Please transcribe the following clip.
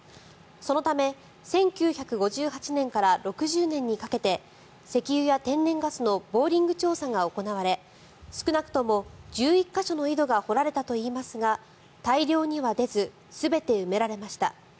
そのため１９５８年から６０年にかけて石油や天然ガスのボーリング調査が行われ少なくとも１１か所の井戸が掘られたといいますが大量には出ず全て埋められました。